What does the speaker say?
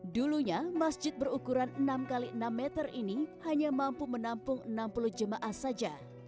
dulunya masjid berukuran enam x enam meter ini hanya mampu menampung enam puluh jemaah saja